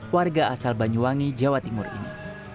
warga asal banyuwangi jawa timur ini